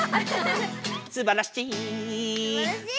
「すばらしい」